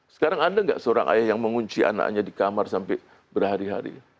sekarang ada nggak seorang ayah yang mengunci anaknya di kamar sampai berhari hari